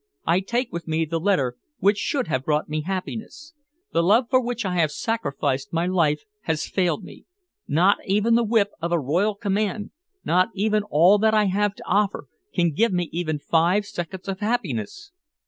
I take with me the letter which should have brought me happiness. The love for which I have sacrificed my life has failed me. Not even the whip of a royal command, not even all that I have to offer, can give me even five seconds of happiness."